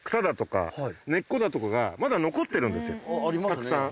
たくさん。